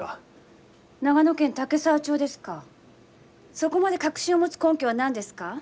そこまで確信を持つ根拠は何ですか？